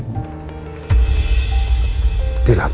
emangnya bu rosa salah apa